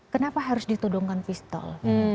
kenapa harus ditodongkan pistol